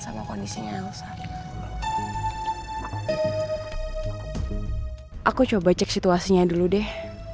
sama kondisinya usai aku coba cek situasinya dulu deh